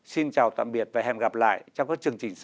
xin chào tạm biệt và hẹn gặp lại trong các chương trình sau